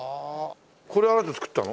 これあなた作ったの？